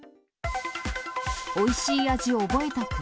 おいしい味覚えた熊。